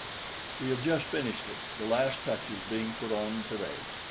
We have just finished it, the last touches being put on today.